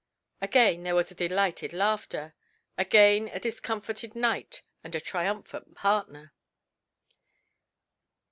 Again there was a delighted laughter, again a discomforted knight and a triumphant partner.